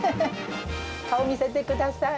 顔見せてください。